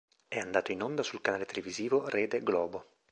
È andato in onda sul canale televisivo Rede Globo.